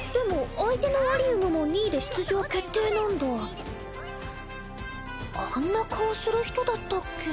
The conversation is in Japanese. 相手のアリウムも２位で出場決定なんだあんな顔する人だったっけ？